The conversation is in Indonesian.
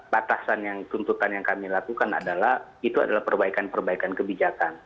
batasan yang tuntutan yang kami lakukan adalah itu adalah perbaikan perbaikan kebijakan